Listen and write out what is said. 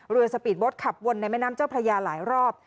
สปีดโบ๊ทขับวนในแม่น้ำเจ้าพระยาหลายรอบ